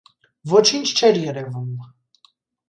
Ոչինչ չէր երևում: